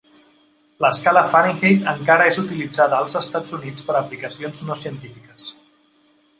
L'escala Fahrenheit encara és utilitzada als Estats Units per a aplicacions no científiques.